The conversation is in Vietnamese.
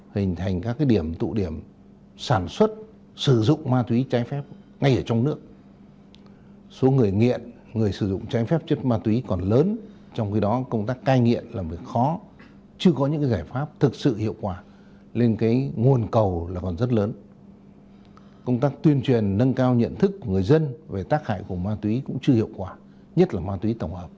hình thành các điểm tụ điểm sản xuất sử dụng ma túy